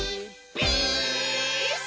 ピース！」